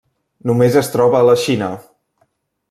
Només es troba a la Xina.